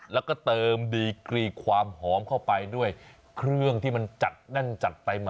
แล้วก็เติมดีกรีความหอมเข้าไปด้วยเครื่องที่มันจัดแน่นจัดไปมา